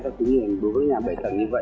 và cứu nạn đối với nhà bảy tầng như vậy